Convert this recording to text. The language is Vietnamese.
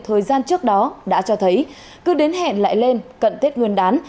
thời gian trước đó đã cho thấy cứ đến hẹn lại lên cận tết nguyên đán